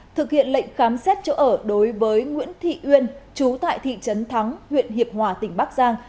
thực hiện lệnh khám xét chỗ ở đối với nguyễn thị uyên chú tại thị trấn thắng huyện hiệp hòa tỉnh bắc giang